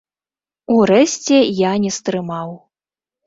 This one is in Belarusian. Урэшце я не стрымаў.